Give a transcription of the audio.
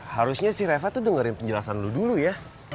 harusnya si reva tuh dengerin penjelasan lo dulu ya